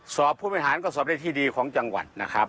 ผู้บริหารก็สอบได้ที่ดีของจังหวัดนะครับ